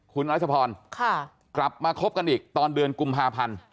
คุณรัชพรกลับมาคบกันอีกตอนเดือนกุมภาพันธ์